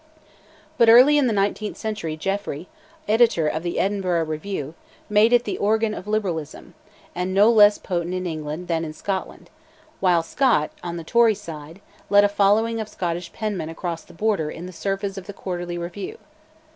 But early in the nineteenth century Jeffrey, editor of 'The Edinburgh Review,' made it the organ of Liberalism, and no less potent in England than in Scotland; while Scott, on the Tory side, led a following of Scottish penmen across the Border in the service of 'The Quarterly Review.'